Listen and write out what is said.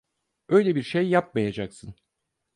Öyle bir şey yapmayacaksın.